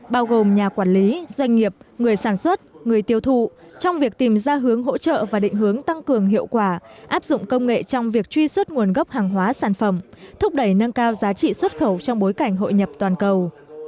bao gồm nhà quản lý doanh nghiệp người sản xuất người tiêu thụ trong việc tìm ra hướng hỗ trợ và định hướng tăng cường hiệu quả áp dụng công nghệ trong việc truy xuất nguồn gốc hàng hóa sản phẩm thúc đẩy nâng cao giá trị xuất khẩu trong bối cảnh hội nhập toàn cầu